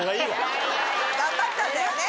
頑張ったんだよね。